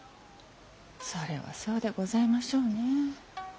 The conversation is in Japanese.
それはそうでございましょうね。